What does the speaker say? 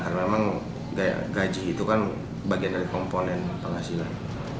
karena memang gaji itu kan bagian dari komponen penghasilan